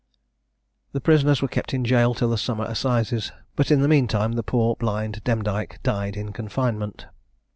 The prisoners were kept in jail till the summer assizes; but in the mean time, the poor blind Demdike died in confinement.